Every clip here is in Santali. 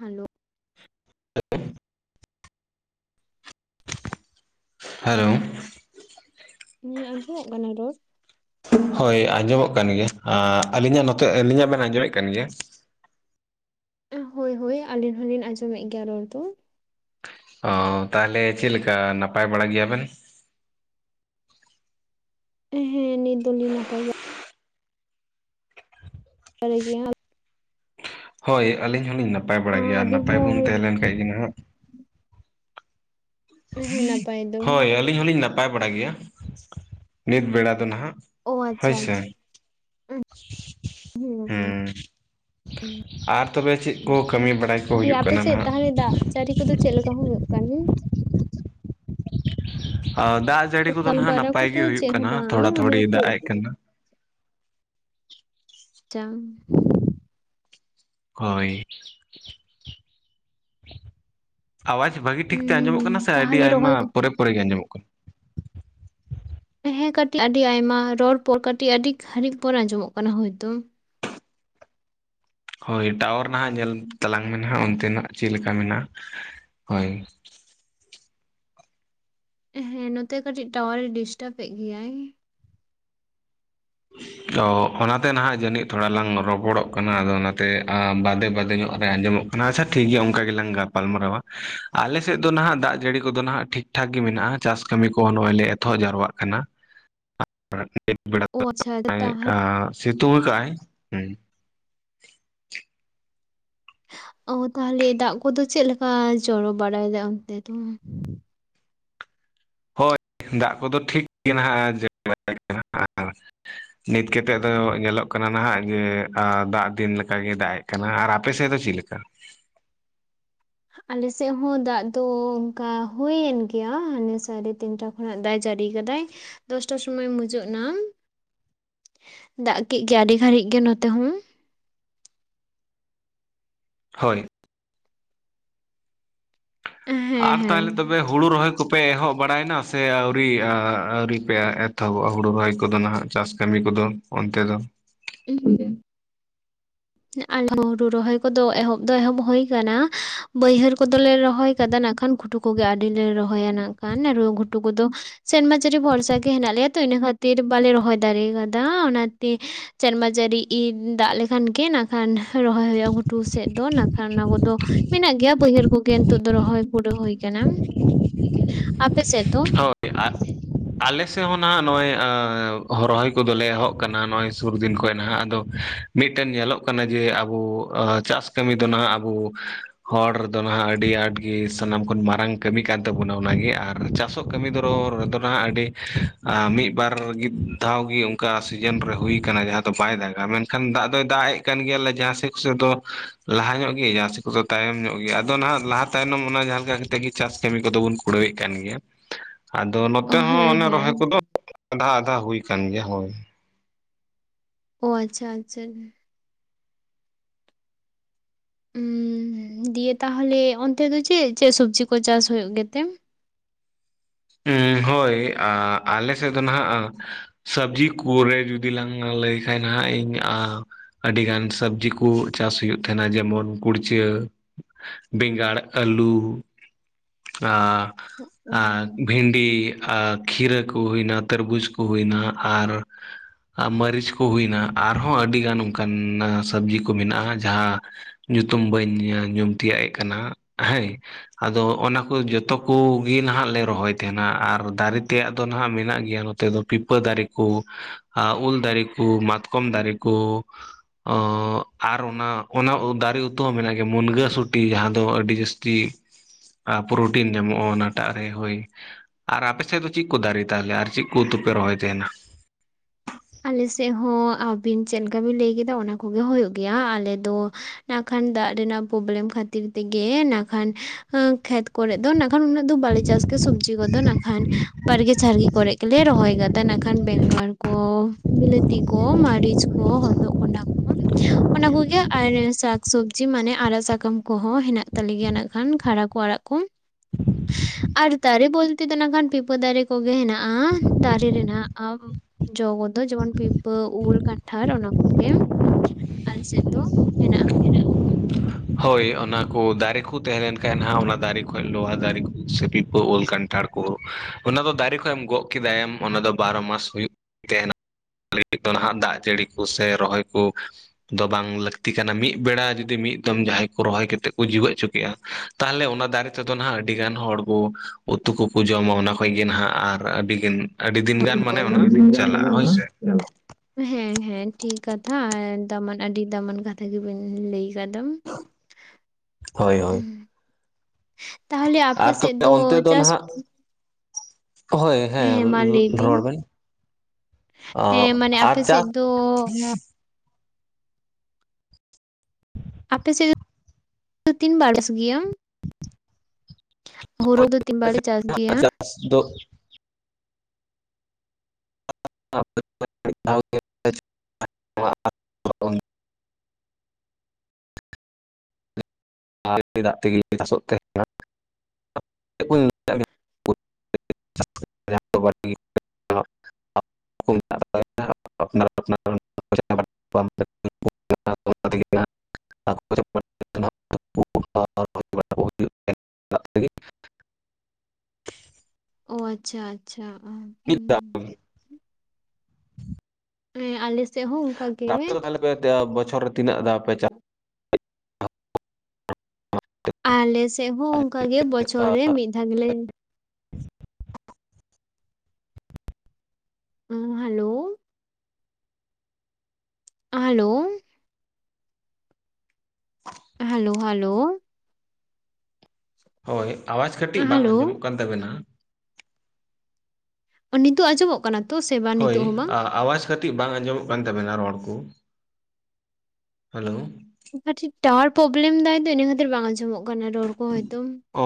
ᱦᱮᱞᱳ, [unintelligible] ᱦᱮᱞᱳ, ᱤᱧᱟᱸ ᱟᱸᱡᱚᱢᱚᱜ ᱠᱟᱱᱟ ᱨᱚᱲ? ᱦᱳᱭ ᱟᱸᱡᱚᱢᱚᱜ ᱠᱟᱱ ᱜᱮᱭᱟ ᱟᱻ ᱟᱹᱞᱤᱧᱟ ᱱᱚᱛᱮ ᱟᱹᱞᱤᱧᱟ ᱵᱮᱱ ᱟᱸᱡᱚᱢᱮᱫ ᱠᱟᱱ ᱜᱮᱭᱟ᱾ ᱦᱳᱭ ᱦᱳᱭ ᱟᱹᱞᱤᱧ ᱦᱚᱸ ᱞᱤᱧ ᱟᱸᱡᱚᱢᱮᱫ ᱜᱮᱭᱟ ᱨᱚᱲ ᱫᱚ᱾ ᱚᱻ ᱛᱟᱦᱚᱸᱞᱮ ᱪᱮᱫ ᱞᱮᱠᱟ ᱱᱟᱯᱟᱭ ᱵᱟᱲᱟ ᱜᱮᱭᱟᱵᱮᱱ? ᱦᱮᱸ ᱱᱤᱛ ᱫᱚ ᱞᱤᱧ ᱱᱟᱯᱟᱭ [unintelligible] ᱵᱟᱲᱟ ᱜᱮᱭᱟ᱾ ᱦᱳᱭ ᱟᱹᱞᱤᱧ ᱦᱚᱸ ᱞᱤᱧ ᱱᱟᱯᱟᱭ ᱵᱟᱲᱟ ᱜᱮᱭᱟ ᱟᱵᱤᱱ ᱱᱟᱯᱟᱭ ᱵᱚᱱ ᱦᱚᱸ ᱛᱟᱦᱮᱸ ᱞᱮᱱ ᱠᱷᱟᱡ ᱜᱮ ᱱᱟᱦᱟ ᱦᱮᱸ ᱱᱟᱯᱟᱭ ᱫᱚ ᱦᱳᱭ ᱟᱹᱞᱤᱧ ᱦᱚᱸ ᱞᱤᱧ ᱱᱟᱯᱟᱭ ᱵᱟᱲᱟ ᱜᱮᱭᱟ, ᱱᱤᱛ ᱵᱮᱲᱟ ᱫᱚ ᱱᱟᱦᱟᱜ ᱾ ᱚ ᱟᱪᱪᱷᱟ, ᱦᱩᱸ, ᱦᱮᱸ᱾ ᱟᱨ ᱛᱚᱵᱮ ᱪᱮᱫ ᱠᱚ ᱠᱟᱹᱢᱤ ᱵᱟᱲᱟᱭ ᱠᱚ ᱦᱩᱭᱩᱜ ᱠᱟᱱᱟ ᱱᱟᱦᱟᱸᱜ? ᱱᱤᱛᱚ ᱫᱚ ᱪᱮᱫ ᱞᱮᱠᱟ ᱦᱚᱸ ᱦᱩᱭᱩᱜ ᱠᱟᱱ ᱜᱮᱭᱟ, ᱟ ᱫᱟᱜ ᱡᱟᱹᱲᱤ ᱠᱚᱫᱚ ᱠᱟᱹᱢᱤ ᱱᱟᱦᱟ ᱵᱟᱨᱟ ᱱᱟᱯᱟᱭ ᱠᱚᱫᱚ ᱜᱮ ᱦᱩᱭᱩᱜ ᱪᱮᱫ ᱦᱚᱸ ᱠᱟᱱᱟ ᱵᱟᱝ ᱛᱷᱚᱲᱟ ᱚᱱᱮ ᱛᱷᱚᱲᱤ ᱩᱛᱩ ᱫᱟᱜ ᱮᱡ ᱟᱪᱪᱷᱟ ᱠᱟᱱᱟ ᱾ ᱪᱟᱝ᱾ ᱦᱳᱭ᱾ ᱟᱣᱟᱡ ᱵᱷᱟᱹᱜᱤ ᱩᱸ ᱴᱷᱤᱠ ᱛᱮ ᱟᱸᱡᱚᱢᱚᱜ ᱠᱟᱱᱟ ᱥᱮ ᱟᱹᱰᱤ ᱛᱟᱦᱚᱞᱮ ᱟᱭᱢᱟ ᱨᱚᱦᱚᱭ ᱠᱚ ᱯᱚᱨᱮ ᱯᱚᱨᱮ ᱜᱮ ᱟᱸᱡᱚᱢᱚᱜ ᱠᱟᱱᱟ? ᱦᱮᱸ ᱠᱟᱹᱴᱤᱡ ᱟᱰᱤ ᱟᱭᱢᱟ ᱨᱚᱲ ᱯᱚᱨ ᱠᱟᱹᱴᱤᱡ ᱟᱹᱰᱤ ᱜᱷᱟᱹᱨᱤᱡ ᱯᱚᱨ ᱟᱸᱡᱚᱢᱚᱜ ᱠᱟᱱᱟ ᱦᱳᱭᱛᱚ᱾ ᱦᱳᱭ ᱴᱟᱣᱟᱨ ᱱᱟᱦᱟᱸᱜ ᱧᱮᱞ ᱛᱟᱞᱟᱝ ᱢᱮ ᱦᱟᱸᱜ ᱚᱱᱛᱮᱱᱟᱜ ᱪᱮᱫ ᱞᱮᱠᱟ ᱢᱮᱱᱟᱜᱼᱟ ᱦᱳᱭ ᱾ ᱦᱮᱸ ᱱᱚᱛᱮ ᱠᱟᱹᱴᱤᱡ ᱴᱟᱣᱟᱨᱮ ᱰᱤᱥᱴᱟᱵ ᱮᱫ ᱜᱮᱭᱟᱭ ᱾ ᱚ ᱚᱱᱟᱛᱮ ᱱᱟᱦᱟᱸᱜ ᱡᱟᱹᱱᱤᱡ ᱛᱷᱚᱲᱟ ᱞᱟᱝ ᱨᱚᱯᱚᱲᱚᱜ ᱠᱟᱱᱟ ᱟᱫᱚ ᱚᱱᱟᱛᱮ ᱵᱟᱫᱮ ᱵᱟᱫᱮ ᱧᱚᱜ ᱨᱮ ᱟᱸᱡᱚᱢᱚᱜ ᱠᱟᱱᱟ ᱟᱪᱪᱷᱟ ᱴᱷᱤᱠ ᱜᱮᱭᱟ ᱚᱱᱠᱟ ᱜᱮᱞᱟᱝ ᱜᱟᱞᱯᱟᱞᱢᱟᱨᱟᱣᱼᱟ ᱟᱞᱮᱥᱮᱫ ᱫᱚ ᱱᱟᱦᱟᱸᱜ ᱫᱟ ᱡᱟᱹᱲᱤ ᱠᱚᱫᱚ ᱱᱟᱦᱟᱸᱜ ᱴᱷᱤᱠ ᱴᱷᱟᱠ ᱜᱮ ᱢᱮᱱᱟᱜᱼᱟ ᱪᱟᱥ ᱠᱟᱹᱢᱤ ᱠᱚᱦᱚᱸ ᱱᱚᱸᱜᱼᱚᱭ ᱞᱮ ᱮᱛᱚᱦᱚᱵ ᱡᱟᱣᱨᱟᱜ ᱠᱟᱱᱟ ᱾ [inaudible] [unintelligible] ᱵᱮᱲᱟ ᱚ ᱟᱪᱪᱷᱟ ᱛᱟᱦᱚᱞᱮ ᱥᱤᱛᱩᱝ ᱠᱟᱜᱼᱟ ᱟᱭ ᱦᱩᱸ ᱾ ᱚ ᱛᱟᱦᱚᱞᱮ ᱫᱟ ᱠᱚᱫᱚ ᱪᱮᱫ ᱞᱮᱠᱟ ᱡᱚᱨᱚ ᱵᱟᱲᱟᱭᱫᱟ ᱚᱱᱛᱮ ᱫᱚ? ᱦᱳᱭ ᱫᱟ ᱠᱚᱫᱚ ᱴᱷᱤᱠ ᱜᱮ ᱱᱟᱦᱟᱜ [unintelligible] [inaudible] ᱱᱤᱛ ᱠᱮᱛᱮ ᱫᱚ ᱧᱮᱞᱚᱜ ᱠᱟᱱᱟ ᱱᱟᱦᱟᱸᱜ ᱡᱮ ᱫᱟᱜ ᱫᱤᱱ ᱞᱮᱠᱟ ᱜᱮ ᱫᱟᱜ ᱮᱜ ᱠᱟᱱᱟ, ᱟᱨ ᱟᱯᱮᱥᱮᱫ ᱫᱚ ᱪᱮᱫ ᱞᱮᱠᱟ? ᱟᱞᱮᱥᱮᱫ ᱦᱚᱸ ᱫᱟᱜ ᱫᱚ ᱚᱱᱠᱟ ᱦᱩᱭᱮᱱ ᱜᱮᱭᱟ ᱦᱟᱸᱱᱮ ᱥᱟᱲᱮ ᱛᱤᱱᱴᱟ ᱠᱷᱚᱱᱟᱜ ᱫᱟᱭᱮ ᱡᱟᱹᱲᱤᱭ ᱠᱟᱫᱟᱭ ᱫᱚᱥᱴᱟ ᱥᱚᱢᱚᱭ ᱢᱩᱪᱟᱹᱫ ᱱᱟ᱾ ᱫᱟᱜ ᱠᱮᱜ ᱜᱮᱭᱟᱭ ᱟᱹᱰᱤ ᱜᱷᱟᱲᱤᱜ ᱜᱮ ᱱᱚᱛᱮ ᱦᱚᱸ, ᱦᱳᱭ᱾ ᱦᱮᱸ ᱦᱮᱸ ᱟᱨ ᱛᱟᱦᱚᱞᱮ ᱛᱚᱵᱮ ᱦᱩᱲᱩ ᱨᱚᱦᱚᱭ ᱠᱚᱯᱮ ᱮᱦᱚᱵ ᱵᱟᱲᱟᱭᱱᱟ ᱥᱮ ᱟᱣᱨᱤ ᱟᱣᱨᱤ ᱯᱮ ᱮᱛᱷᱚᱦᱚᱵᱚᱜᱼᱟ ᱦᱩᱲᱳ ᱨᱚᱦᱚᱭ ᱠᱚᱫᱚ ᱱᱟᱦᱟᱸᱜ ᱪᱟᱥ ᱠᱟᱢᱤ ᱠᱚᱫᱚ ᱚᱱᱛᱮ ᱫᱚ? [unintelligible] ᱟᱞᱚ ᱦᱩᱲᱩ ᱨᱚᱦᱚᱭ ᱠᱚᱫᱚ ᱮᱦᱚᱵ ᱫᱚ ᱮᱦᱚᱵ ᱦᱩᱭ ᱠᱟᱱᱟ ᱵᱟᱹᱭᱦᱟᱹᱨ ᱠᱚᱫᱚᱞᱮ ᱨᱚᱦᱚᱭ ᱠᱟᱫᱟ ᱱᱟᱜ ᱠᱷᱟᱱ ᱜᱷᱩᱴᱩ ᱠᱚᱜᱮ ᱟᱣᱨᱤᱞᱮ ᱨᱚᱦᱚᱭᱟ ᱱᱟᱜ ᱠᱷᱟᱱ ᱟᱨ ᱜᱷᱩᱴᱩ ᱠᱚᱫᱚ ᱥᱮᱨᱢᱟᱡᱟᱹᱨᱤ ᱵᱷᱚᱨᱥᱟ ᱜᱮ ᱦᱮᱱᱟᱜ ᱞᱮᱭᱟ ᱛᱚ ᱤᱱᱟᱹ ᱠᱷᱟᱹᱛᱤᱨ ᱵᱟᱞᱮ ᱨᱚᱦᱚᱭ ᱫᱟᱲᱮᱭ ᱠᱟᱫᱟ ᱚᱱᱟᱛᱮ ᱥᱮᱨᱢᱟ ᱡᱟᱹᱨᱤ ᱤᱱ ᱫᱟᱜ ᱞᱮᱠᱷᱟᱱ ᱜᱮ ᱱᱟᱠᱷᱟᱱ ᱨᱚᱦᱚᱭ ᱦᱩᱭᱩᱜᱼᱟ ᱜᱷᱩᱴᱩ ᱥᱮᱫ ᱫᱚ ᱱᱟᱠᱷᱟᱱ ᱚᱱᱟ ᱠᱚᱫᱚ ᱢᱮᱱᱟᱜ ᱜᱮᱭᱟ ᱵᱟᱹᱭᱦᱟᱹᱨ ᱠᱚᱜᱮ ᱱᱤᱛᱚᱜ ᱫᱚ ᱨᱚᱦᱚᱭ ᱯᱩᱨᱟᱹ ᱦᱩᱭ ᱠᱟᱱᱟ᱾ ᱟᱯᱮ ᱥᱮᱫ ᱫᱚ? [unintelligible] ᱟᱞᱮ ᱥᱮᱫ ᱦᱚᱸ ᱱᱟᱦᱟᱸᱜ ᱱᱚᱜᱼᱚᱭ ᱦᱚᱨᱚᱦᱚᱭ ᱠᱚᱫᱚᱞᱮ ᱮᱦᱚᱵ ᱠᱟᱱᱟ ᱱᱚᱜᱼᱚᱭ ᱥᱩᱨ ᱫᱤᱱ ᱠᱷᱚᱱ ᱱᱟᱦᱟᱸᱜ ᱟᱫᱚ ᱢᱤᱫᱴᱮᱱ ᱧᱮᱞᱚᱜ ᱠᱟᱱᱟ ᱡᱮ ᱟᱵᱚ ᱪᱟᱥ ᱠᱟᱹᱢᱤ ᱫᱚ ᱱᱦᱟᱸᱜ ᱟᱵᱚ ᱦᱚᱲ ᱨᱮᱫᱚ ᱱᱟᱦᱟᱸᱜ ᱟᱹᱰᱤ ᱟᱸᱴᱜᱤ ᱥᱟᱱᱟᱢ ᱠᱷᱚᱱ ᱢᱟᱨᱟᱝ ᱠᱟᱹᱢᱤ ᱠᱟᱱ ᱛᱟᱵᱚᱱᱟ ᱚᱱᱟᱜᱮ ᱟᱨ ᱪᱟᱥᱚᱜ ᱠᱟᱹᱢᱤ ᱫᱚᱨᱚ ᱨᱮᱫᱚ ᱱᱟᱦᱟᱸᱜ ᱟᱹᱰᱤ ᱢᱤᱫ ᱵᱟᱨ ᱢᱤᱫ ᱫᱷᱟᱣ ᱜᱮ ᱚᱱᱠᱟ ᱥᱤᱡᱤᱱ ᱨᱮ ᱦᱩᱭ ᱠᱟᱱᱟ ᱡᱟᱦᱟᱸ ᱫᱚ ᱵᱟᱭ ᱫᱟᱜᱟ ᱢᱮᱱᱠᱷᱟᱱ ᱫᱟᱜ ᱫᱚᱭ ᱫᱟᱜ ᱮᱫ ᱠᱟᱱ ᱜᱮᱭᱟᱞᱮ ᱡᱟᱦᱟᱸᱥᱮ ᱥᱚᱫᱚ ᱞᱟᱦᱟ ᱧᱚᱜ ᱜᱮ ᱡᱟᱦᱟᱸ ᱥᱮ ᱠᱚ ᱛᱟᱭᱚᱢ ᱧᱚᱜ ᱜᱮᱭᱟ ᱟᱫᱚ ᱱᱟᱦᱟᱸᱜ ᱞᱟᱦᱟ ᱛᱟᱭᱱᱚᱢ ᱚᱱᱟ ᱡᱟᱦᱟᱸ ᱞᱮᱠᱟ ᱠᱟᱛᱮ ᱜᱮ ᱪᱟᱥ ᱠᱟᱹᱢᱤ ᱠᱚᱫᱚ ᱵᱚᱱ ᱠᱩᱲᱟᱹᱣᱮᱫ ᱠᱟᱱ ᱜᱮᱭᱟ᱾ ᱟᱫᱚ ᱚ ᱱᱚᱛᱮ ᱦᱚᱸ ᱦᱮᱸ ᱚᱱᱮ ᱨᱚᱦᱚᱭ ᱦᱮᱸ ᱠᱚᱫᱚ ᱟᱫᱷᱟ ᱟᱫᱷᱟ ᱦᱩᱭ ᱠᱟᱱ ᱜᱮᱭᱟ ᱦᱳᱭ᱾ ᱚ ᱟᱪᱪᱷᱟ ᱟᱪᱪᱷᱟ᱾ ᱩᱢ ᱫᱤᱭᱮ ᱛᱟᱦᱚᱞᱮ ᱚᱱᱛᱮ ᱫᱚ ᱪᱮᱫ ᱪᱮᱫ ᱥᱚᱵᱡᱤ ᱠᱚ ᱪᱟᱥ ᱦᱩᱭᱩᱜ ᱜᱮᱛᱮ? ᱩᱸ ᱦᱳᱭ ᱟᱞᱮ ᱥᱮᱫ ᱫᱚ ᱱᱟᱦᱟᱸᱜ ᱥᱟᱵᱽᱡᱤ ᱠᱚᱨᱮ ᱡᱩᱫᱤ ᱞᱟᱝ ᱞᱟᱹᱭ ᱠᱷᱟᱡ ᱱᱟᱦᱟᱸᱜ ᱤᱧ ᱟ ᱟᱹᱰᱤᱜᱟᱱ ᱥᱟᱵᱽᱡᱤ ᱠᱚ ᱪᱟᱥ ᱦᱩᱭᱩᱜ ᱛᱟᱦᱮᱸᱱᱟ ᱡᱮᱢᱚᱱ ᱠᱩᱲᱪᱟᱹ ᱵᱮᱝᱜᱟᱲ ᱟᱹᱞᱩ ᱟ ᱟ ᱵᱷᱤᱱᱰᱤ ᱟᱨ ᱠᱷᱤᱨᱟᱹ ᱠᱚ ᱦᱩᱭᱱᱟ ᱛᱟᱨᱵᱩᱡᱽ ᱠᱚ ᱦᱩᱭᱱᱟ ᱟᱨ ᱢᱟᱹᱨᱤᱪ ᱠᱚ ᱦᱩᱭᱱᱟ ᱟᱨᱦᱚᱸ ᱟᱹᱰᱤ ᱜᱟᱱ ᱚᱱᱠᱟᱱ ᱥᱟᱵᱽᱡᱤ ᱠᱚ ᱢᱮᱱᱟᱜ-ᱟ ᱡᱟᱦᱟ ᱧᱩᱛᱩᱢ ᱵᱟᱹᱧ ᱧᱩᱢ ᱛᱤᱭᱟᱹᱜ ᱮᱜ ᱠᱟᱱᱟ ᱦᱟᱹᱭ᱾ ᱟᱫᱚ ᱚᱱᱟ ᱠᱩ ᱡᱚᱛᱚ ᱠᱩᱜᱮ ᱱᱟᱦᱟᱜ ᱞᱮ ᱨᱚᱦᱚᱭ ᱛᱮᱦᱮᱱᱟ ᱟᱨ ᱫᱟᱨᱮ ᱛᱮᱭᱟᱜ ᱫᱚ ᱱᱟᱦᱱᱟᱜ ᱢᱮᱱᱟᱜ ᱜᱮᱭᱟ ᱱᱚᱛᱮ ᱫᱚ ᱯᱤᱯᱟᱹ ᱫᱟᱨᱮ ᱠᱩ᱾ ᱟᱜ ᱩᱞ ᱫᱟᱨᱮ ᱠᱩ ᱢᱟᱛᱠᱚᱢ ᱫᱟᱨᱮ ᱠᱩ᱾ ᱟᱨ ᱚᱱᱟ ᱚᱱᱟ ᱩ ᱫᱟᱨᱮ ᱩᱛᱩ ᱦᱚᱸ ᱢᱮᱱᱟᱜ ᱜᱮᱭᱟ, ᱢᱩᱱᱜᱟᱹ ᱥᱩᱴᱤ ᱡᱟᱦᱟᱸ ᱫᱚ ᱟᱹᱰᱤ ᱡᱟᱹᱥ ᱛᱤ ᱯᱨᱚᱴᱤᱱ ᱧᱟᱢᱚᱜ-ᱟ ᱚᱱᱟᱴᱟᱜ ᱨᱮ ᱦᱳᱭ᱾ ᱟᱨ ᱟᱯᱮ ᱥᱮᱫ ᱫᱚ ᱪᱤᱜ ᱠᱩ ᱫᱟᱨᱮ ᱛᱟᱦᱞᱮ ᱟᱨ ᱪᱤᱜ ᱠᱩ ᱩᱛᱩ ᱯᱮ ᱨᱚᱦᱚᱭ ᱛᱟᱦᱮᱸᱱᱟ᱾ ᱟᱞᱮ ᱥᱮᱜ ᱦᱚᱸ ᱟᱹᱵᱤᱱ ᱪᱮᱫ ᱞᱮᱠᱟ ᱵᱤᱱ ᱞᱟᱹᱭ ᱠᱮᱫᱟ ᱚᱱᱟ ᱠᱚᱜᱮ ᱦᱳᱭᱳᱜ ᱜᱮᱭᱟ, ᱟᱞᱮ ᱫᱚ ᱱᱟᱠᱷᱟᱱ ᱫᱟᱜ ᱨᱮᱱᱟᱜ ᱯᱳᱵᱞᱮᱢ ᱠᱷᱟᱹᱛᱤᱨ ᱛᱮᱜᱮ ᱱᱟᱠᱷᱟᱱ ᱠᱷᱮᱛ ᱠᱚᱨᱮᱫ ᱫᱚ ᱱᱟᱠᱷᱟᱱ ᱩᱱᱟᱹᱜ ᱫᱚ ᱵᱟᱞᱮ ᱪᱟᱥ ᱜᱮᱭᱟ ᱥᱚᱵᱽᱡᱤ ᱠᱚᱫᱚ ᱱᱟᱠᱷᱟᱱ ᱵᱟᱨᱜᱮ ᱡᱷᱟᱨᱜᱮ ᱠᱚᱨᱮᱜ ᱜᱮᱞᱮ ᱨᱚᱦᱚᱭ ᱠᱟᱫᱟ ᱱᱟᱜᱠᱷᱟᱱ ᱵᱮᱸᱜᱟᱲ ᱠᱚ᱾ ᱵᱤᱞᱟᱹᱛᱤ ᱠᱚ ᱢᱟᱨᱤᱪ ᱠᱚ ᱦᱚᱛᱚᱜ ᱠᱚᱸᱰᱷᱟ᱾ ᱚᱱᱟ ᱠᱚᱜᱮ ᱟᱨ ᱥᱟᱠᱥᱚᱵᱽᱡᱤ ᱢᱟᱱᱮ ᱟᱨᱟ ᱥᱟᱠᱟᱢ ᱠᱚᱦᱚᱸ ᱦᱮᱱᱟᱜ ᱛᱟᱞᱮ ᱜᱮᱭᱟ ᱱᱟᱜᱠᱷᱟᱱ ᱠᱷᱟᱨᱟ ᱠᱚ ᱟᱲᱟᱜ ᱠᱚ᱾ [inaudible] ᱟᱨ ᱫᱟᱨᱮ ᱵᱚᱞᱛᱮ ᱫᱚ ᱱᱟᱠᱷᱟᱱ ᱯᱤᱯᱟᱹ ᱫᱟᱨᱮ ᱠᱚᱜᱮ ᱦᱮᱱᱟᱜ-ᱟ ᱫᱟᱨᱮ ᱨᱮᱱᱟᱜ᱾ ᱟᱵ ᱡᱚ ᱠᱚ ᱫᱚ ᱡᱮᱢᱚᱱ ᱯᱤᱯᱟᱹ ᱩᱞ ᱠᱟᱱᱴᱷᱟᱲ ᱚᱱᱟ ᱠᱚᱜᱮ ᱟᱞᱮᱥᱮᱫ ᱫᱚ ᱦᱮᱱᱟᱜ-ᱟ᱾ ᱦᱳᱭ ᱚᱱᱟᱠᱩ ᱫᱟᱨᱮᱠᱩ ᱛᱟᱦᱮᱸ ᱞᱮᱱ ᱠᱷᱟᱱᱡ ᱱᱟᱦᱟᱜ ᱚᱱᱟ ᱫᱟᱨᱮ ᱠᱷᱚᱱ ᱞᱚᱣᱟ ᱫᱟᱨᱮ ᱠᱚ ᱥᱮ ᱯᱤᱯᱟᱹ ᱳᱞ ᱠᱟᱱᱴᱷᱟᱲ᱾ ᱠᱩ ᱚᱱᱟ ᱫᱚ ᱫᱟᱨᱮ ᱠᱷᱚᱡ ᱮᱢ ᱜᱚᱜ ᱠᱮᱫᱟᱭ ᱮᱢ ᱚᱱᱟ ᱫᱚ ᱵᱟᱨᱚ ᱢᱟᱥ ᱦᱩᱭᱩᱜ ᱛᱮᱦᱮᱱᱟ᱾ [unintelligible] ᱫᱚ ᱱᱟᱦᱟᱜ ᱫᱟᱜ ᱡᱟᱹᱲᱤ ᱠᱩ ᱥᱮ ᱨᱚᱦᱚᱭ ᱠᱩ᱾ ᱫᱚ ᱵᱟᱝ ᱞᱟᱹᱠᱛᱤ ᱠᱟᱱᱟ ᱢᱤᱫ ᱵᱮᱲᱟ ᱡᱩᱫᱤ ᱢᱤᱫ ᱡᱟᱦᱟᱸᱭ ᱠᱚ ᱨᱚᱦᱚᱭ ᱠᱟᱛᱮᱫ ᱠᱚ ᱡᱤᱣᱮᱫ ᱦᱚᱪᱚ ᱠ ᱠᱮᱜ-ᱟ, ᱛᱟᱦᱚᱞᱮ ᱚᱱᱟ ᱫᱟᱨᱮ ᱛᱮᱫᱚ ᱦᱟᱸᱜ ᱟᱹᱰᱤ ᱜᱟᱱ ᱦᱚᱲ ᱵᱚ ᱩᱛᱩ ᱠᱚᱠᱚ ᱡᱚᱢᱟ ᱚᱱᱟ ᱦᱳᱭ ᱜᱮ ᱱᱟᱦᱟᱜ ᱟᱨ ᱟᱹᱰᱤ ᱫᱤᱱ ᱟᱹᱰᱤ ᱫᱤᱱ ᱜᱟᱱ ᱢᱟᱱᱮ ᱚᱱᱟ ᱪᱟᱞᱟᱜ-ᱟ ᱦᱳᱭᱥᱮ ᱾ ᱦᱮᱞᱳ᱾ ᱦᱮᱸ ᱦᱮᱸ ᱴᱷᱤᱠ ᱠᱟᱛᱷᱟ ᱟᱨ ᱫᱟᱢᱟᱱ ᱟᱹᱰᱤ ᱫᱟᱢᱟᱱ ᱠᱟᱛᱷᱟ ᱜᱮᱵᱤᱱ ᱞᱟᱹᱭ ᱠᱟᱫᱟᱢ ᱾ ᱦᱳᱭ ᱦᱳᱭ᱾ ᱛᱟᱦᱮ ᱟᱯ ᱟᱨ ᱛᱚᱵᱮ ᱚᱱᱛᱮ ᱫᱚ ᱱᱟᱦᱟᱜ, ᱦᱳᱭ ᱦᱮᱸ ᱢᱟ ᱞᱟᱹᱭ ᱵᱤᱱ ᱨᱚᱲ ᱵᱮᱱ ᱾ ᱚᱸ ᱦᱮᱸ ᱢᱟᱱᱮ ᱟᱨ ᱟᱯᱮ ᱪᱟᱥ ᱥᱮᱫ ᱫᱚ [inaudible] ᱟᱯᱮᱥᱮᱫ ᱫᱚ ᱛᱤᱱ ᱵᱟᱲᱮᱥ ᱜᱮᱭᱟ? ᱦᱩᱲᱩ ᱫᱚ ᱛᱤᱱ ᱵᱟᱲᱮ ᱪᱟᱥ ᱜᱮᱭᱟ? ᱫᱳᱜ [unintelligible] ᱢᱤᱫ ᱫᱷᱟᱣ ᱜᱮ [unintelligible] ᱟᱞᱮ ᱫᱟᱜ ᱛᱮᱜᱮᱞᱮ ᱪᱟᱥᱚᱜ ᱛᱟᱦᱮᱱᱟ [inaudible] [inaudible] [unintelligible] [unintelligible] [unintelligible] ᱛᱮᱜᱮ ᱱᱟᱜ [unintelligible] ᱠᱷᱚᱡᱚᱜ ᱠᱟᱱᱟ ᱾ [unintelligible] ᱚᱸ ᱟᱪᱪᱷᱟ ᱟᱪᱪᱷᱟ, ᱦᱚᱸ᱾ ᱦᱮᱸ, ᱟᱞᱮ ᱥᱮᱜ ᱦᱚᱸᱚᱱᱠᱟ ᱜᱮ, ᱦᱮᱸ᱾ ᱛᱟᱦᱚᱞᱮ ᱵᱚᱪᱷᱚᱨ ᱨᱮ ᱛᱤᱱᱟᱹᱜ ᱫᱷᱟᱣ ᱯᱮ ᱪᱟ ᱟᱞᱮᱥᱮᱫ ᱦᱚᱸ ᱚᱱᱠᱟ ᱜᱮ ᱵᱚᱪᱷᱚᱨ ᱨᱮ ᱢᱤᱫ ᱫᱷᱟᱣ ᱜᱮᱞᱮ ᱩᱸ ᱦᱟᱞᱳ ᱦᱟᱞᱳ ᱦᱟᱞᱳ ᱦᱟᱞᱳ ᱦᱳᱭ ᱟᱣᱟᱡ ᱠᱟᱹᱴᱤᱡ ᱵᱟᱝ ᱦᱮᱞᱳ ᱟᱸᱡᱚᱢᱚᱜ ᱠᱟᱱ ᱛᱟᱵᱮᱱᱟ᱾ ᱱᱤᱛᱳᱜ ᱟᱸᱡᱚᱢᱚᱜ ᱠᱟᱱᱟ? ᱛᱚ ᱥᱮ ᱵᱟᱝ ᱦᱳᱭ ᱱᱤᱛᱚᱜ ᱦᱚᱸ ᱵᱟᱝ? ᱟ-ᱟᱣᱟᱪ ᱠᱟᱴ ᱴᱤᱡ ᱵᱟᱝ ᱟᱸᱡᱚᱢᱚᱜ ᱠᱟᱱ ᱛᱟᱵᱮᱱᱟ ᱨᱚᱲ ᱠᱚ ᱦᱮᱞᱳ ᱾ ᱠᱟᱹᱴᱤᱡ ᱴᱟᱣᱟᱨ ᱯᱨᱳᱵᱞᱮᱢ ᱫᱟᱭ ᱛᱮ ᱤᱱᱟᱹ ᱠᱷᱟᱛᱤᱨ ᱵᱟᱝ ᱟᱸᱡᱚᱢᱚᱜ ᱠᱟᱱᱟ ᱨᱚᱲ ᱠᱚ ᱦᱚᱭᱛᱚ ᱚ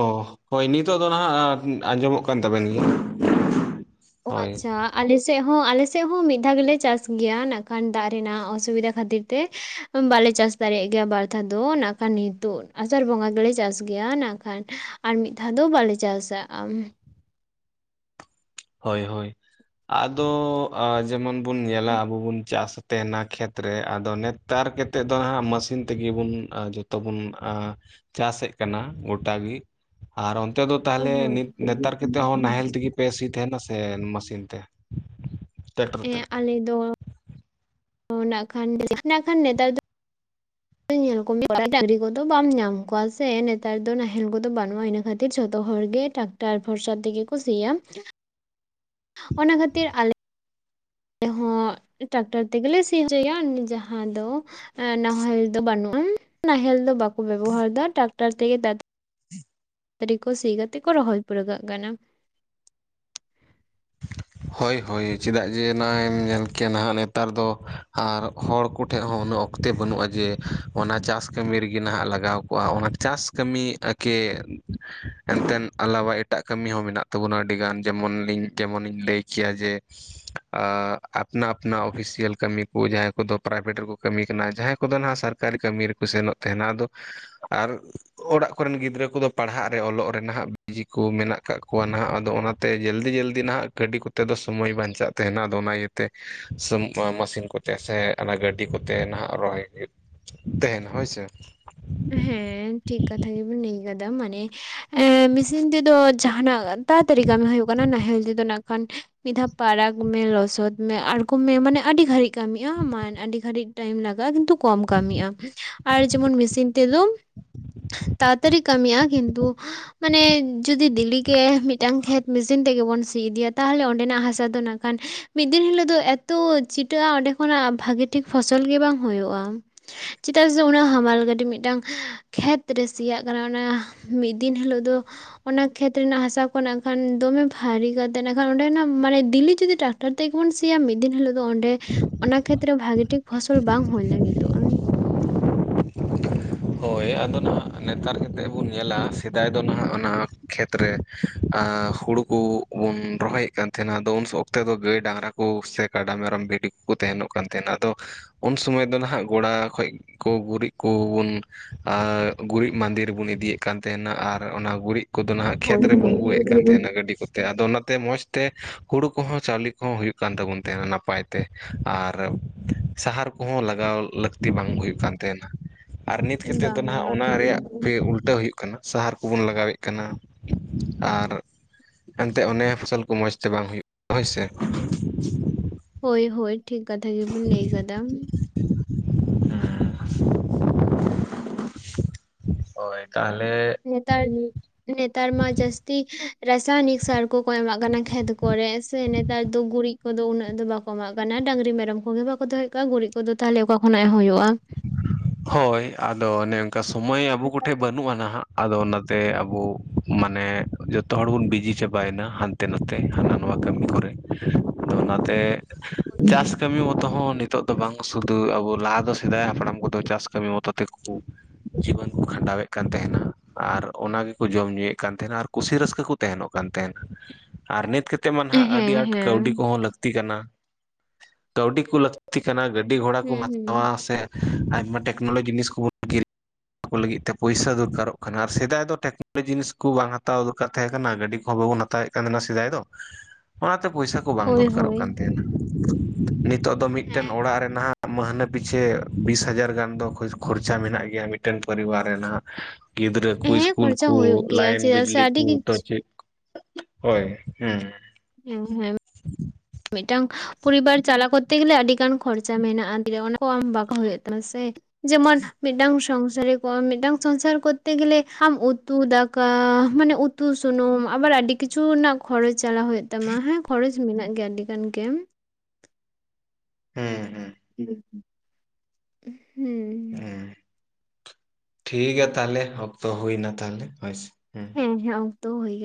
ᱦᱳᱭ ᱱᱤᱛᱳᱜ ᱫᱚ ᱱᱟᱦᱟᱜ ᱟᱸᱡᱚᱢᱚᱜ ᱠᱟᱱ ᱛᱟᱵᱮᱱ ᱜᱮᱭᱟ ᱾ ᱚᱸ ᱟᱪᱷᱟ ᱟᱞᱮ ᱥᱮᱫ ᱦᱚᱸ ᱟᱞᱮ ᱥᱮᱫ ᱦᱚᱸ ᱢᱤᱫ ᱫᱷᱟᱣ ᱜᱮᱞᱮ ᱪᱟᱥ ᱜᱮᱭᱟ ᱱᱟᱜ-ᱠᱷᱟᱱ ᱫᱟᱜ ᱨᱮᱱᱟᱜ ᱚᱥᱩᱵᱤᱫᱷᱟ ᱠᱷᱟᱹᱛᱤᱨ ᱛᱮ ᱾ ᱵᱟᱞᱮ ᱪᱟᱥ ᱫᱟᱲᱮᱭᱟᱜ ᱜᱮᱭᱟ ᱵᱟᱨᱫᱷᱟᱣ ᱫᱚ ᱱᱟᱜᱠᱷᱟᱱ ᱱᱤᱛᱚᱜ ᱟᱥᱟᱲ ᱵᱚᱸᱜᱟ ᱫᱚᱞᱮ ᱪᱟᱥ ᱜᱮᱭᱟ ᱱᱟᱜ-ᱠᱷᱟᱱ ᱟᱨ ᱢᱤᱫ ᱫᱷᱟᱣ ᱫᱚ ᱵᱟᱞᱮ ᱪᱟᱥᱟ-ᱟ ᱾ ᱦᱳᱭ ᱦᱳᱭ ᱟᱫᱚ ᱟ ᱡᱮᱢᱚᱱ ᱵᱚᱱ ᱧᱮᱞᱟ ᱟᱵᱚ ᱵᱚᱱ ᱪᱟᱥ ᱛᱮᱱᱟ ᱠᱷᱮᱛᱨᱮ ᱟᱫᱚ ᱱᱮᱛᱟᱨ ᱠᱮᱛᱮᱫ ᱫᱚ ᱦᱟᱸᱜ ᱢᱟᱥᱤᱱ ᱛᱮᱜᱮ ᱵᱚᱱ ᱡᱚᱛᱚᱵᱚᱱ ᱪᱟᱥᱮᱫ ᱠᱟᱱᱟ ᱜᱚᱴᱟᱜᱮ ᱟᱨ ᱚᱱᱛᱮ ᱫᱚ ᱛᱟᱦᱞᱮ ᱦᱳᱭ ᱱᱤᱛ ᱱᱮᱛᱟᱨ ᱠᱮᱛᱮ ᱦᱚᱸ ᱱᱟᱦᱮᱞ ᱛᱮᱜᱮ ᱯᱮ ᱥᱤ ᱛᱮᱱᱟᱥᱮ ᱥᱮ ᱢᱮᱥᱤᱱ ᱛᱮ ᱴᱮᱠᱴᱟᱨ ᱛᱮ ᱦᱮᱸ ᱟᱞᱮ ᱫᱚ ᱱᱟᱜ-ᱠᱷᱟᱱ [unintelligible] ᱱᱟᱜ-ᱠᱷᱟᱱ ᱱᱮᱛᱟᱨ ᱫᱚ [unintelligible] ᱟᱠᱨᱤ ᱠᱚᱫᱚ ᱵᱟᱢ ᱧᱟᱢ ᱠᱚᱣᱟ ᱥᱮ ᱱᱮᱛᱟᱨ ᱫᱚ ᱱᱟᱦᱮᱞ ᱠᱚᱫᱚ ᱵᱟᱹᱱᱩᱜ-ᱟ ᱤᱱᱟᱹ ᱠᱷᱟᱹᱛᱤᱨ ᱡᱷᱚᱛᱚ ᱦᱚᱲ ᱜᱮ ᱴᱟᱠ [inaudible] ᱚᱱᱟ ᱠᱷᱟᱹᱛᱤᱨ ᱟᱞᱮ ᱟᱞᱮ ᱦᱚᱸ ᱴᱨᱟᱠᱴᱚᱨ ᱛᱮᱜᱮ ᱞᱮ ᱥᱤ ᱦᱚᱪᱚᱭᱟ ᱩᱱᱤ ᱡᱟᱦᱟᱸ ᱫᱚ ᱱᱟᱦᱮᱞ ᱫᱚ ᱵᱟᱹᱱᱩᱜ-ᱟ ᱱᱟᱦᱮᱞ ᱫᱚ ᱵᱟᱠᱚ ᱵᱮᱵᱚᱦᱟᱨ ᱮᱫᱟ ᱴᱨᱟᱠᱴᱟᱨ ᱛᱮᱜᱮ- ᱛᱟᱲᱟᱛᱟᱨᱤ ᱠᱚ ᱥᱤ ᱠᱟᱛᱮ ᱠᱚ ᱨᱚᱦᱚᱭ ᱯᱩᱨᱟᱹᱣ ᱠᱟᱜ ᱠᱟᱱᱟ [inaudible] ᱦᱳᱭ ᱦᱳᱭ ᱪᱮᱫᱟᱜ ᱡᱮ ᱱᱚᱜ-ᱟᱭ ᱮᱢ ᱧᱮᱞ ᱠᱮᱭᱟ ᱱᱟᱦᱟᱜ ᱱᱮᱛᱟᱨ ᱫᱚ ᱟᱨ ᱦᱚᱲ ᱠᱚᱴᱷᱮᱱ ᱦᱚᱸ ᱩᱱᱟᱹᱜ ᱚᱠᱛᱚ ᱚᱠᱛᱮ ᱵᱟᱹᱱᱩᱜ-ᱟ ᱡᱮ ᱚᱱᱟ ᱪᱟᱥ ᱠᱟᱹᱢᱤ ᱨᱮᱜᱮ ᱱᱟᱦᱟᱜ ᱞᱟᱜᱟᱣ ᱠᱚᱜ-ᱟ ᱚᱱᱟ ᱪᱟᱥ ᱠᱟᱹᱢᱤ ᱮᱠᱮ ᱮᱱᱛᱮᱫ ᱟᱞᱟᱣᱟ ᱮᱴᱟᱜ ᱠᱟᱹᱢᱤ ᱦᱚᱸ ᱢᱮᱱᱟᱜ ᱛᱟᱵᱚᱱᱟ ᱟᱹᱰᱤ ᱜᱟᱱ ᱡᱮᱢᱚᱱ ᱞᱤᱧ ᱡᱮᱢᱚᱱ ᱤᱧ ᱞᱟᱹᱭ ᱠᱮᱭᱟ ᱡᱮ ᱟᱯᱱᱟ ᱟᱯᱱᱟ ᱚᱯᱷᱤᱥᱤᱭᱟᱞ ᱠᱟᱹᱢᱤ ᱠᱚ ᱡᱟᱦᱟᱸᱭ ᱠᱚᱫᱚ ᱯᱨᱟᱭᱵᱷᱮᱴ ᱨᱮᱠᱚ ᱠᱟᱹᱢᱤ ᱠᱟᱱᱟ ᱡᱟᱦᱟᱸᱭ ᱠᱚᱫᱚ ᱦᱟᱜ ᱥᱟᱨ ᱠᱟᱨᱤ ᱠᱟᱹᱢᱤ ᱨᱮᱠᱚ ᱥᱮᱱᱚᱜ ᱛᱟᱦᱮᱱᱟ ᱟᱫᱚ ᱟᱨ ᱚᱲᱟᱜ ᱠᱚᱨᱮᱱ ᱜᱤᱫᱽᱨᱟᱹ ᱠᱚᱫᱚ ᱯᱟᱲᱦᱟᱜ ᱨᱮ ᱚᱞᱚᱜ ᱨᱮ ᱱᱟᱦᱟᱜ ᱵᱤᱡᱤ ᱠᱚ ᱢᱮᱱᱟᱜ ᱠᱜᱟ ᱠᱚᱣᱟ ᱱᱟᱦᱟᱜ ᱟᱫᱚ ᱚᱱᱟᱛᱮ ᱡᱚᱞᱫᱤ ᱡᱚᱞᱫᱤ ᱡᱩᱫᱤ ᱱᱟᱜ ᱜᱟᱹᱰᱤ ᱠᱚᱛᱮ ᱫᱚ ᱥᱚᱢᱚᱭ ᱵᱟᱧᱪᱟᱜ ᱛᱟᱦᱮᱱᱟ ᱟᱫᱚ ᱚᱱᱟ ᱤᱭᱟᱹᱛᱮ ᱢᱥᱤᱱ ᱠᱚ ᱪᱮᱫᱟᱜ ᱥᱮ ᱚᱱᱟ ᱜᱟᱹᱰᱤ ᱠᱚᱛᱮ ᱱᱟᱦᱟᱜ ᱨᱚᱦᱚᱭ ᱦᱩᱭᱩᱜ ᱛᱟᱦᱮᱱ ᱦᱳᱭᱥᱮ ᱦᱮᱸ ᱴᱷᱤᱠ ᱠᱟᱛᱷᱟ ᱜᱮᱵᱮᱱ ᱞᱟᱹᱭ ᱠᱟᱫᱟ ᱢᱟᱱᱮ ᱮ ᱢᱮᱥᱤᱱ ᱛᱮᱫᱚ ᱡᱟᱦᱟᱱᱟᱜ ᱛᱟᱲᱟᱛᱟᱲᱤ ᱠᱟᱹᱢᱤ ᱦᱳᱭᱳᱜ ᱠᱟᱱᱟ ᱱᱟᱦᱮᱞ ᱛᱮᱫᱚ ᱱᱟᱜ ᱠᱷᱟᱱ ᱢᱤᱫ ᱫᱷᱟᱣ ᱯᱟᱨᱟᱠ ᱢᱮ ᱞᱚᱥᱚᱫ ᱢᱮ ᱟᱬᱜᱚᱢ ᱢᱮ ᱢᱟᱱᱮ ᱟᱹᱰᱤ ᱜᱷᱟᱹᱲᱤᱡ᱾ ᱠᱟᱹᱢᱤ-ᱟ ᱢᱟᱱ ᱟᱹᱰᱤ ᱜᱷᱟᱹᱲᱤᱡ ᱴᱟᱭᱤᱢ ᱞᱟᱜᱟᱜ-ᱟ ᱠᱤᱱᱛᱩ ᱠᱚᱢ ᱠᱟᱹᱢᱤᱜ-ᱟ ᱟᱨ ᱡᱮᱢᱚᱱ ᱢᱮᱥᱤᱱ ᱛᱟᱲᱟ ᱛᱟᱲᱤ ᱠᱟᱹᱢᱤᱜ-ᱟ ᱠᱤᱱᱛᱩ? ᱢᱟᱱᱮ ᱡᱩᱚᱫᱤ ᱫᱤᱞᱤᱜᱮ ᱢᱤᱫᱴᱟᱝ ᱠᱷᱮᱛ ᱢᱮᱥᱤᱱ ᱛᱮᱜᱮᱵᱚᱱ ᱥᱤ ᱤᱫᱤᱭᱟ ᱛᱟᱦᱞᱮ ᱚᱸᱰᱮᱱᱟᱜ ᱦᱟᱥᱟ ᱫᱚ ᱱᱟᱜ ᱠᱷᱟᱱ ᱢᱤᱫ ᱫᱤᱱ ᱦᱤᱞᱳᱜ ᱫᱚ ᱮᱛᱚ ᱪᱷᱤᱴᱟᱹᱜᱼᱟ ᱚᱸᱰᱮ ᱠᱷᱚᱱᱟᱜ ᱵᱷᱟᱹᱜᱤ ᱴᱷᱤᱠ ᱯᱷᱚᱥᱚᱞ ᱜᱮ ᱵᱟᱝ ᱦᱩᱭᱩᱜᱼᱟ ᱪᱮᱫᱟᱜ ᱥᱮ ᱚᱱᱟ ᱦᱟᱢᱟᱞ ᱜᱟᱹᱰᱤ ᱢᱤᱫ ᱴᱟᱝ ᱠᱷᱮᱛ ᱨᱮ ᱥᱤᱭᱟᱜ ᱠᱟᱱᱟ ᱚᱱᱟ ᱢᱤᱫ ᱫᱤᱱ ᱦᱤᱞᱳᱜ ᱫᱚ ᱚᱱᱟ ᱠᱷᱮᱛ ᱨᱮᱱᱟᱜ ᱦᱟᱥᱟ ᱠᱚ ᱱᱟᱜ ᱠᱷᱟᱱ ᱫᱚᱢᱮ ᱵᱷᱟᱨᱤ ᱠᱟᱛᱮ ᱱᱟᱜ ᱠᱷᱟᱱ ᱚᱸᱰᱮᱱᱟᱜ ᱢᱟᱱᱮ ᱫᱤᱞᱤ ᱡᱩᱫᱤ ᱴᱟᱠ ᱴᱟᱨ ᱛᱮᱜᱮᱵᱚᱱ ᱥᱤᱭᱟ ᱢᱤᱫ ᱫᱤᱱ ᱦᱤᱞᱳ ᱫᱚ ᱚᱸᱰᱮ ᱚᱱᱟ ᱠᱷᱮᱛᱨᱮ ᱵᱷᱟᱜᱮ ᱴᱷᱤᱠ ᱯᱷᱚᱥᱚᱞ ᱵᱟᱝ ᱦᱩᱭ ᱞᱟᱹᱜᱤᱫᱚᱜᱼᱟ᱾ ᱦᱳᱭ ᱟᱫᱚ ᱱᱟᱦᱟᱜ ᱱᱮᱛᱟᱨ ᱠᱟᱛᱮᱫ ᱵᱚᱱ ᱧᱮᱞᱟ ᱥᱮᱫᱟᱭ ᱫᱚ ᱱᱟᱦᱟᱜ ᱚᱱᱟ ᱠᱷᱮᱛᱨᱮ ᱮᱸ ᱦᱩᱲᱩ ᱠᱚ ᱵᱚᱱ ᱨᱚᱦᱚᱭᱮᱫ ᱠᱟᱱ ᱛᱟᱦᱮᱱᱟ ᱟᱫᱚ ᱩᱱ ᱚᱠᱛᱮ ᱫᱚ ᱜᱟᱹᱭ ᱰᱟᱝᱨᱟ ᱠᱚ ᱥᱮ ᱠᱟᱰᱟ, ᱢᱮᱨᱚᱢ, ᱵᱷᱤᱰᱤ ᱠᱚᱠᱚ ᱛᱟᱦᱮᱱᱚᱜ ᱠᱟᱱ ᱛᱟᱦᱮᱱᱟ ᱟᱫᱚ ᱩᱱ ᱥᱚᱢᱚᱭ ᱫᱚ ᱱᱟᱦᱟᱸᱜ ᱜᱚᱲᱟ ᱠᱷᱚᱡ ᱠᱚ ᱜᱩᱨᱤᱡ ᱠᱚᱵᱚᱱ ᱟ ᱜᱩᱨᱤᱡ ᱢᱟᱸᱫᱮ ᱨᱮᱵᱚᱱ ᱤᱫᱤᱭᱮᱫ ᱠᱟᱱ ᱛᱟᱦᱮᱱᱟ ᱟᱨ ᱚᱱᱟ ᱜᱩᱨᱤᱡ ᱠᱚᱫᱚ ᱱᱟᱦᱟᱜ ᱠᱷᱮᱛ ᱦᱳᱭ ᱦᱳᱭ ᱨᱮᱵᱚᱱ ᱩᱵ ᱮᱫ ᱠᱟᱱ ᱛᱟᱦᱮᱱᱟ ᱜᱟᱹᱰᱤ ᱠᱚ ᱛᱮ ᱟᱫᱚ ᱚᱱᱟᱛᱮ ᱢᱚᱸᱡᱽ ᱛᱮ ᱦᱩᱲᱩ ᱠᱚᱦᱚᱸ ᱪᱟᱣᱞᱮ ᱠᱚᱦᱚᱸ ᱦᱩᱭᱩᱜ ᱠᱟᱱ ᱛᱟᱵᱚᱱ ᱛᱟᱦᱮᱸᱱᱟ ᱱᱟᱯᱟᱭ ᱛᱮ᱾ ᱟᱨ ᱥᱟᱦᱟᱨ ᱠᱚᱦᱚᱸ ᱞᱟᱜᱟᱣ ᱞᱟᱹᱠᱛᱤ ᱵᱟᱝ ᱦᱩᱭᱩᱜ ᱠᱟᱱ ᱛᱟᱦᱮᱱᱟ᱾ ᱟᱨ ᱱᱤᱛ ᱠᱟᱛᱮᱫ ᱫᱚ ᱵᱟᱝᱟ ᱱᱟᱦᱟᱜ ᱚᱱᱟ ᱵᱟᱝ ᱨᱮᱭᱟᱜ ᱜᱮ ᱩᱞ ᱴᱟᱹ ᱦᱩᱭᱩᱜ ᱠᱟᱱᱟ, ᱥᱟᱦᱟᱨ ᱠᱚᱵᱚᱱ ᱞᱟᱜᱟᱣᱮᱫ ᱠᱟᱱᱟ ᱟᱨ [inaudible] ᱛᱮ ᱚᱱᱮ ᱯᱷᱚᱥᱚᱞ ᱠᱚ ᱢᱚᱸᱡᱽᱛᱮ ᱵᱟᱝ ᱦᱩᱭᱩᱜ ᱦᱳᱭ ᱥᱮ᱾ ᱦᱳᱭ ᱦᱳᱭ ᱴᱷᱤᱠ ᱠᱟᱛᱷᱟ ᱜᱮᱵᱚᱱ ᱞᱟᱹᱭ ᱟᱠᱟᱫᱟ᱾ [inaudible] ᱦᱳᱭ ᱛᱟᱦᱚᱞᱮ ᱱᱮᱛᱟᱨ ᱱᱮᱛᱟᱨ ᱢᱟ ᱡᱥᱛᱤ ᱨᱟᱥᱟᱭᱚᱱᱤᱠ ᱥᱟᱨ ᱠᱚᱠᱚ ᱮᱢᱟᱜ ᱠᱟᱱᱟ ᱠᱷᱮᱛ ᱠᱚᱨᱮ ᱥᱮ ᱱᱮᱛᱟᱨ ᱫᱚ ᱜᱩᱨᱤᱡ ᱠᱚᱫᱚ ᱩᱱᱟᱹᱜ ᱫᱚ ᱵᱟᱠᱚ ᱮᱢᱟᱜ ᱠᱟᱱᱟ ᱰᱟᱹᱝᱨᱤ ᱢᱮᱨᱚᱢ ᱠᱚᱜᱮ ᱵᱟᱠᱚ ᱫᱚᱦᱚᱭᱮᱫ ᱠᱚᱭᱟ ᱜᱩᱨᱤᱡ ᱠᱚᱫᱚ ᱛᱟᱦᱚᱞᱮ ᱚᱠᱟ ᱠᱷᱚᱱᱟᱜ ᱦᱩᱭᱩᱜᱼᱟ᱾ ᱦᱳᱭ ᱟᱫᱚ ᱚᱱᱮ ᱚᱱᱠᱟ ᱥᱚᱢᱚᱭ ᱟᱵᱚ ᱠᱚᱴᱷᱮᱡ ᱵᱟᱹᱱᱩᱜᱼᱟ ᱱᱟᱦᱟᱜ᱾ ᱟᱫᱚ ᱚᱱᱟᱛᱮ ᱟᱵᱚ ᱢᱟᱱᱮ ᱡᱚᱛᱚ ᱦᱚᱲ ᱵᱚᱱ ᱵᱤᱡᱤ ᱪᱟᱵᱟᱭᱮᱱᱟ ᱦᱟᱱ ᱛᱮ ᱱᱟᱛᱮ ᱦᱟᱱᱟ ᱱᱚᱣᱟ ᱠᱟᱹᱢᱤ ᱠᱚᱨᱮ, ᱟᱫᱚ ᱚᱱᱟᱛᱮ ᱪᱟᱥ ᱠᱟᱹᱢᱤ ᱢᱚᱛᱚ ᱦᱚᱸ ᱱᱤᱛᱳᱜ ᱫᱚ ᱵᱟᱝ ᱥᱩᱫᱷᱩ ᱟᱵᱚ ᱞᱟᱦᱟ ᱫᱚ ᱥᱮᱫᱟᱭ ᱦᱟᱯᱲᱟᱢ ᱠᱚᱫᱚ ᱪᱟᱥ ᱠᱟᱹᱢᱤ ᱢᱚᱛᱚ ᱛᱮᱜᱮ ᱠᱚ ᱡᱤᱵᱚᱱ ᱠᱚ ᱠᱷᱟᱸᱰᱟᱣᱮᱫ ᱠᱟᱱ ᱛᱟᱦᱮᱱᱟ ᱟᱨ ᱚᱱᱟ ᱜᱮᱠᱚ ᱡᱚᱢ ᱧᱩᱭᱮᱫ ᱠᱟᱱ ᱛᱟᱦᱮᱱᱟ ᱟᱨ ᱠᱩᱥᱤ ᱨᱟᱹᱥᱠᱟᱹ ᱠᱚ ᱛᱟᱦᱮᱱᱚᱜ ᱠᱟᱱ ᱛᱟᱦᱮᱱᱟ ᱟᱨ ᱱᱤᱛ ᱠᱟᱛ ᱛᱮ ᱢᱟ ᱱᱟᱦᱟᱜ ᱦᱮᱸ ᱟᱹᱰᱤ ᱟᱸᱴ ᱦᱮᱸ ᱠᱟᱹᱣᱰᱤ ᱠᱚᱦᱚᱸ ᱞᱟᱹᱠᱛᱤ ᱠᱟᱱᱟ, ᱠᱟᱹᱣᱰᱤ ᱠᱚ ᱞᱟᱹ ᱛᱤ ᱠᱟᱱᱟ ᱜᱟᱹᱰᱤ ᱜᱷᱚᱲᱟ ᱦᱩᱸ ᱠᱚᱢ ᱦᱩᱸ ᱦᱟᱛᱟᱣᱟ ᱥᱮ ᱟᱭᱢᱟ ᱴᱮᱠᱱᱳᱞᱚᱡᱤ ᱡᱤᱱᱤᱥ ᱠᱚᱵᱚᱱ ᱠᱤᱨᱤᱧ ᱠᱚ ᱞᱟᱹᱜᱤᱫ ᱛᱮ ᱯᱚᱭᱥᱟ ᱫᱚᱨᱠᱟᱨᱚᱜ ᱠᱟᱱᱟ ᱟᱨ ᱥᱮᱫᱟᱭ ᱫᱚ [inaudible] ᱡᱤᱱᱤᱥ ᱠᱚ ᱵᱟᱝ ᱦᱟᱛᱟᱣ ᱫᱚᱨᱠᱟᱨ ᱛᱟᱦᱮᱸ ᱠᱟᱱᱟ, ᱜᱟᱹᱰᱤᱦᱚᱸ ᱵᱟᱵᱚᱱ ᱦᱟᱛᱟᱣᱮᱫ ᱠᱟᱱ ᱛᱟᱦᱮᱱᱟ ᱥᱮᱫᱟᱭ ᱫᱚ, ᱚᱱᱟᱛᱮ ᱯᱚᱭᱥᱟ ᱠᱚ ᱵᱟᱝ ᱦᱳᱭ ᱫᱚᱨᱠᱟᱨᱚᱜ ᱦᱳᱭ ᱠᱟᱱ ᱛᱟᱦᱮᱱᱟ, ᱱᱤᱛᱚᱜ ᱫᱚ ᱢᱤᱫᱴᱮᱱ ᱚᱲᱟᱜ ᱨᱮ ᱱᱟᱦᱟᱜ ᱢᱟᱹᱦᱱᱟᱹ ᱯᱤᱪᱷᱮ ᱵᱤᱥ ᱦᱟᱡᱟᱨ ᱜᱟᱱ ᱫᱚ ᱠᱷᱚ ᱠᱷᱚᱨᱪᱟ ᱢᱮᱱᱟᱜ ᱜᱮᱭᱟ ᱢᱤᱫᱴᱮᱱ ᱯᱚᱨᱤᱵᱟᱨ ᱨᱮᱱᱟᱜ᱾ ᱜᱤᱫᱽᱨᱟᱹ ᱠᱩ ᱦᱮᱸ ᱤᱥᱠᱩᱞ ᱠᱷᱚᱨᱪᱟ ᱠᱩ ᱦᱩᱭᱩᱜ ᱜᱮᱭᱟ ᱞᱟᱭᱤᱱ ᱪᱮᱫᱟᱜ ᱥᱮ ᱵᱤᱡᱽᱞᱤ ᱟᱹᱰᱤ ᱠᱩ ᱛᱚ ᱠᱤᱪᱷᱩ ᱪᱮᱫ ᱦᱳᱭ ᱦᱩᱸ᱾ [inaudible] [inaudible] ᱢᱤᱫᱴᱟᱝ ᱯᱚᱨᱤᱵᱟᱨ ᱪᱟᱞᱟᱣ ᱠᱚᱛᱛᱮ ᱜᱮᱞᱮ ᱟᱹᱰᱤ ᱜᱟᱱ ᱠᱷᱚᱨᱪᱟ ᱢᱮᱱᱟᱜ-ᱟ ᱫᱤᱭᱮ ᱚᱱᱟ ᱠᱚ ᱟᱢ ᱵᱟᱜᱟᱣ ᱦᱩᱭᱩᱜ ᱛᱟᱱᱟ ᱥᱮ᱾ ᱡᱮᱢᱚᱱ ᱢᱤᱫᱴᱟᱝ ᱥᱚᱝᱥᱟᱨᱤ ᱠᱚ ᱢᱤᱫᱴᱟᱝ ᱥᱚᱝᱥᱟᱨ ᱠᱚᱛᱛᱮ ᱜᱮᱞᱮ ᱟᱢ ᱩᱛᱩ ᱫᱟᱠᱟ ᱢᱟᱱᱮ ᱩ ᱛᱩ ᱥᱩᱱᱩᱢ ᱟᱵᱟᱨ ᱟᱹᱰᱤ ᱠᱤᱪᱷᱩ ᱨᱮᱱᱟᱜ ᱠᱷᱚᱨᱚᱪ ᱪᱟᱞᱟᱣ ᱦᱩᱭᱩᱜ ᱛᱟᱢᱟ ᱦᱮᱸ ᱠᱷᱚᱨᱚᱪ ᱢᱮᱱᱟᱜ ᱜᱮᱭᱟ ᱟᱹᱰᱤ ᱜᱟᱱ ᱜᱮ᱾ ᱦᱮᱸ ᱦᱮᱸ᱾ ᱦᱩᱸ᱾ ᱩᱸ, ᱴᱷᱤᱠ ᱜᱮᱭᱟ ᱛᱟᱦᱚᱞᱮ ᱚᱠᱛᱚ ᱦᱩᱭᱱᱟ ᱛᱟᱦᱞᱮ ᱦᱳᱭ ᱥᱮ, ᱦᱩᱸ᱾ ᱦᱮᱸ ᱦᱮᱸ ᱚᱠᱛᱚ ᱦᱩᱭ ᱠᱟ